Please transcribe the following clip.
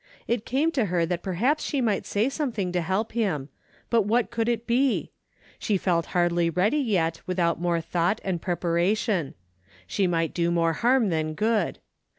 It came to her that perhaps she might say something to help him, but what could it be ? She felt hardly ready yet without more thought and prep 271 272 A DAILY bate: aration. She might do more harm than good.